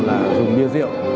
là dùng bia rượu